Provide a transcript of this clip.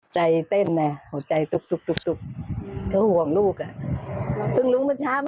ใจเต้นเนี่ยหัวใจตุ๊กเขาห่วงลูกอ่ะ